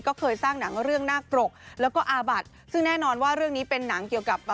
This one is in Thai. ก็เคยสร้างหนังเรื่องนาคปรกแล้วก็อาบัติซึ่งแน่นอนว่าเรื่องนี้เป็นหนังเกี่ยวกับ